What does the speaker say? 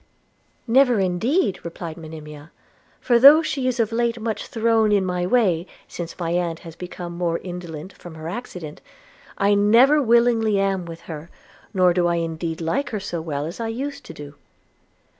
'Never indeed,' replied Monimia; 'for though she is of late much thrown in my way since my aunt has become more indolent from her accident, I never willingly am with her; nor do I indeed like her so well as I used to do.'